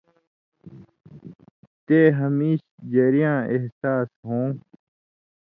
تے ہمیش ژری یاں احساس ہوں